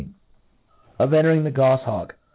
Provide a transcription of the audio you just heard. Of entering the Gq/bawk.